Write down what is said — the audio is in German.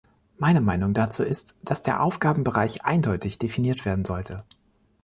Meine Meinung dazu ist, dass der Aufgabenbereich eindeutig definiert werden sollte.